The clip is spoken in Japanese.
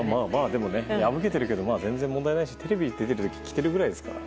でも破けてるけど全然問題ないしテレビ出ている時に着ているぐらいですから。